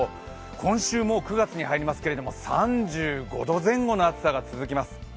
今週、もう９月に入りますけれども３５度前後の暑さが続きます。